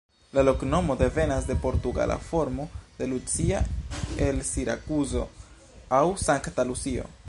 La loknomo devenas de portugala formo de Lucia el Sirakuzo aŭ "Sankta Lucio".